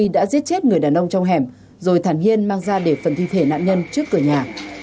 trần huy đã giết chết người đàn ông trong hẻm rồi thẳng hiên mang ra để phần thi thể nạn nhân trước cửa nhà